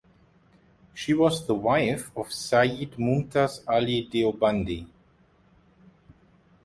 She was the wife of Sayyid Mumtaz Ali Deobandi.